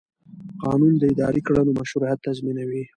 قانون د اداري کړنو مشروعیت تضمینوي.